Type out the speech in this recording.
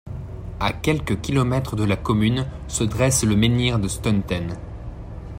À quelques kilomètres de la commune se dresse le menhir de Steudten.